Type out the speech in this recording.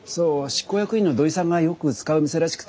執行役員の土井さんがよく使う店らしくて。